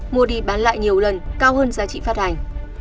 mua đi bán lại nhiều lần cao hơn giá trị phát hành